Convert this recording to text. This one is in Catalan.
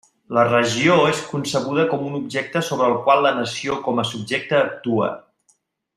La regió és concebuda com un objecte sobre el qual la nació com a subjecte actua.